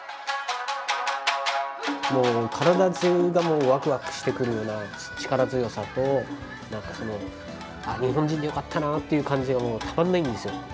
もう体中がワクワクしてくるような力強さと何かその日本人でよかったなという感じがたまんないんですよ。